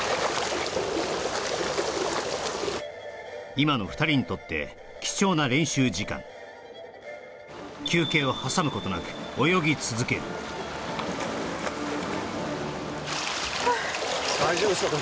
今の２人にとって貴重な練習時間休憩を挟むことなく泳ぎ続けるはあ大丈夫ですか？